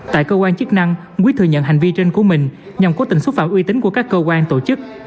tại cơ quan chức năng quyết thừa nhận hành vi trên của mình nhằm cố tình xúc phạm uy tín của các cơ quan tổ chức